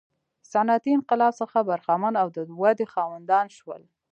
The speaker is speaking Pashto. صنعتي انقلاب څخه برخمن او د ودې خاوندان شول.